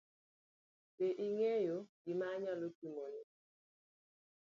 Be ing'eyo gima anyalo timoni?